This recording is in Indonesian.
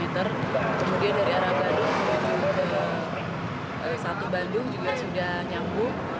kemudian dari arah bandung ke satu bandung juga sudah nyambung